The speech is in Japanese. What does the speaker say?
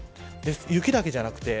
雪だけではなくて。